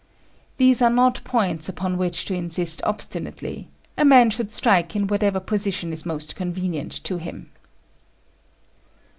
These are not points upon which to insist obstinately: a man should strike in whatever position is most convenient to him.